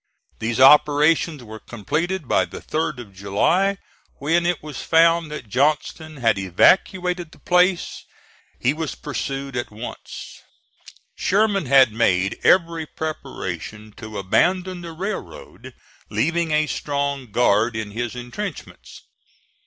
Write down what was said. These operations were completed by the 3d of July, when it was found that Johnston had evacuated the place. He was pursued at once. Sherman had made every preparation to abandon the railroad, leaving a strong guard in his intrenchments.